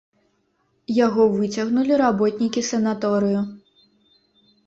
Яго выцягнулі работнікі санаторыю.